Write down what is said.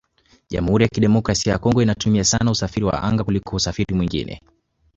Jamhuri ya Kidemokrasia ya Congo inatumia sana usafiri wa anga kuliko usafiri mwingine